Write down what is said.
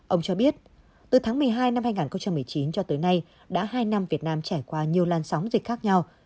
ông cho biết từ tháng một mươi hai năm hai nghìn một mươi chín cho tới nay đã hai năm việt nam trải qua nhiều lan sóng dịch khác nhau